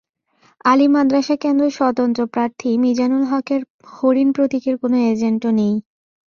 আলিম মাদ্রাসা কেন্দ্রে স্বতন্ত্র প্রার্থী মিজানুল হকের হরিণ প্রতীকের কোনো এজেন্টও নেই।